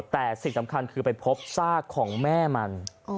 แต่สิ่งสำคัญคือไปพบซากของแม่มัน